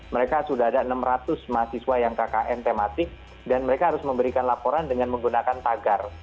mereka sudah ada enam ratus mahasiswa yang kkn tematik dan mereka harus memberikan laporan dengan menggunakan tagar